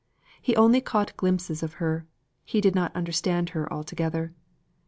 He only caught glimpses of her; he did not understand her altogether.